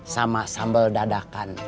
sama sambal dadakan